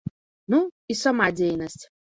Ну, і сама дзейнасць.